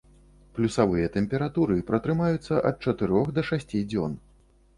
Плюсавыя тэмпературы пратрымаюцца ад чатырох да шасці дзён.